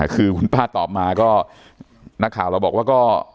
คือคุณป้าตอบมาก็นักข่าวเราบอกว่าก็